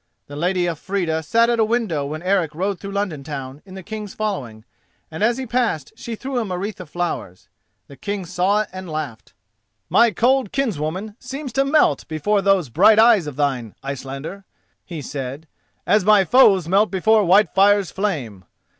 The Lady Elfrida sat at a window when Eric rode through London Town in the King's following, and as he passed she threw him a wreath of flowers. The King saw it and laughed. "My cold kinswoman seems to melt before those bright eyes of thine, Icelander," he said, "as my foes melt before Whitefire's flame.